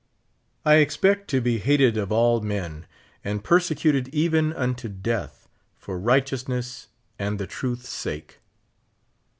I expect to be hated of all men, and persecuted even unto death, for righteousness and the truth's sake.